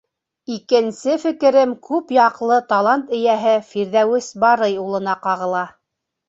Икенсе фекерем күп яҡлы талант эйәһе Фирҙәүес Барый улына ҡағыла.